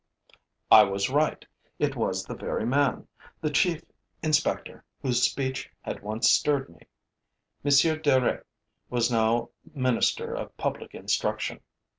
I was right, it was the very man, the chief inspector whose speech had once stirred me. M. Duruy was now minister of public instruction.